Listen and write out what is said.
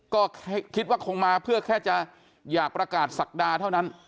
ก็คิดว่าคงมาเพื่อแค่จะอยากประกาศศักดาเท่านั้น